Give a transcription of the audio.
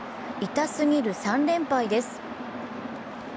痛すぎる３連敗です。